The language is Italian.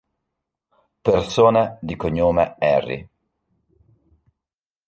Persone di cognome Henry